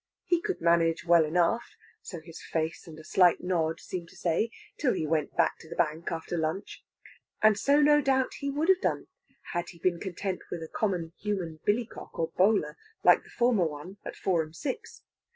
He could manage well enough so his face and a slight nod seemed to say till he went back to the Bank after lunch. And so, no doubt, he would have done had he been content with a common human billycock or bowler, like the former one, at four and six.